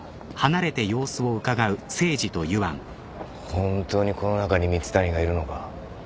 本当にこの中に蜜谷がいるのか？